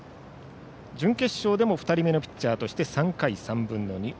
準決勝でも２人目のピッチャーとして３回３分の２。